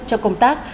cho công tác